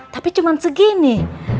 tapi cuman segini